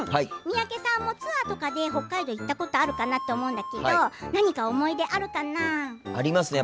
三宅さんもツアーとかで北海道行ったことあるかなって思うんだけど何か思い出、あるかな？ありますね。